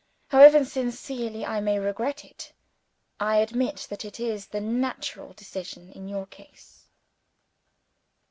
"However sincerely I may regret it, I admit that it is the natural decision, in your case."